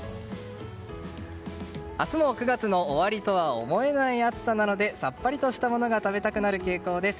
明日も９月の終わりとは思えない暑さなのでさっぱりとしたものが食べたくなる傾向です。